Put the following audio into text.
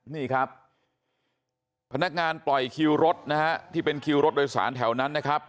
นี่ครับพนักงานปล่อยคิวรถนะฮะที่เป็นคิวรถโดยสารแถวนั้นนะครับ